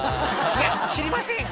「いや知りません」